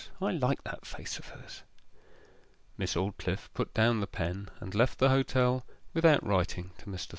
I like that face of hers.' Miss Aldclyffe put down the pen and left the hotel without writing to Mr. Thorn.